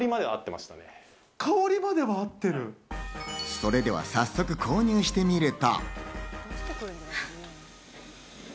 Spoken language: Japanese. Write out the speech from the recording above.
それでは早速、購入してみると。